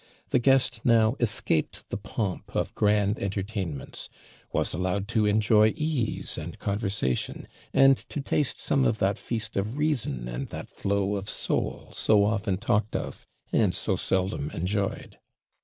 The guest now escaped the pomp of grand entertainments; was allowed to enjoy ease and conversation, and to taste some of that feast of reason and that flow of soul so often talked of, and so seldom enjoyed.